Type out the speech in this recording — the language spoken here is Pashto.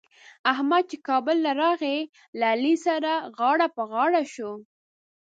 احمد چې له کابله راغی؛ له علي سره غاړه په غاړه شو.